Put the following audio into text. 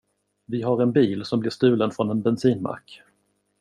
Vi har en bil som blir stulen från en bensinmack.